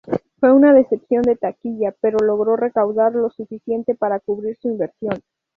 Fue una decepción de taquilla, pero logró recaudar lo suficiente para cubrir su inversión.